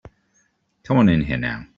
Come on in here now.